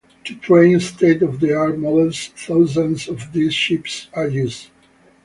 To train state of the art models, thousands of these chips are used.